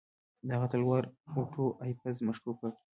د هغه تلوار اوټو ایفز مشکوک کړ.